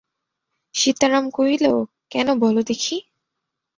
সীতারাম কহিল, কেন বলো দেখি?